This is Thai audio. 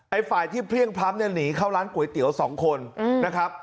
ฝ่ายที่เพลี่ยงพล้ำเนี่ยหนีเข้าร้านก๋วยเตี๋ยวสองคนนะครับ